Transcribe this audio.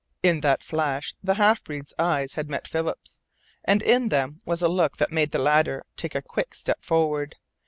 In that flash the half breed's eyes had met Philip's, and in them was a look that made the latter take a quick step forward.